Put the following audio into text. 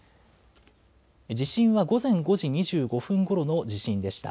地震は午前５時２５分ごろの地震でした。